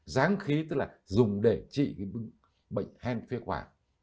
dán khí tức là dùng để trị cái bệnh hen phế khoản